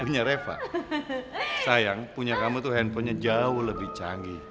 sayang punya kamu tuh handphonenya jauh lebih canggih